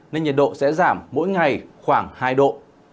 nên nhiệt độ sẽ giảm mỗi ngày khoảng hai độ